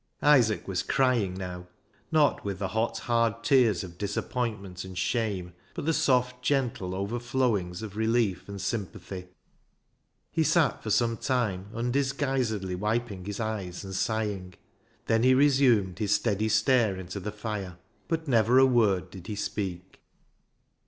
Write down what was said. Isaac was crying now. Not with the hot, hard tears of disappointment and shame, but the soft, gentle overflowings of relief and sym pathy. He sat for some time undisguisedly wiping his eyes and sighing. Then he resumed his steady stare into the fire, but never a word did he speak.